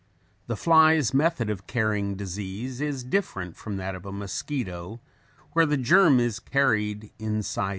The fly's method of carrying disease is different from that of the mosquito where the germ is carried inside its body.